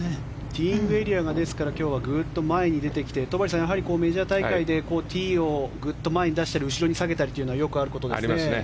ティーイングエリアが今日はグッと前に出てきて戸張さん、メジャー大会でティーを前に出したり後ろに下げたりというのはよくあることですね。